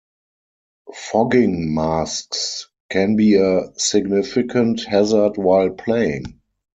Fogging masks can be a significant hazard while playing.